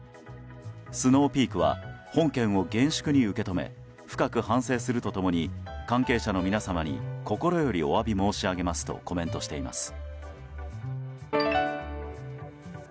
スノーピークは本件を厳粛に受け止め深く反省すると共に関係者の皆様に心よりお詫び申し上げますとコメントしています。